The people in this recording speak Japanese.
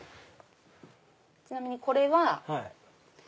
ちなみにこれは。